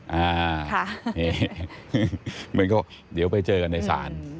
เหมือนก็เดี๋ยวไปเจอกันในศาล